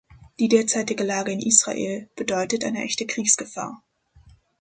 Die derzeitige Lage in Israel bedeutet eine echte Kriegsgefahr.